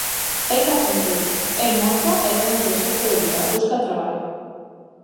É carpinteiro, é mozo e ten un proxecto de vida, busca traballo.